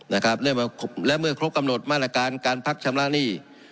นะครับและเมื่อครบกำหนดมาตรการการพักชำระหนี้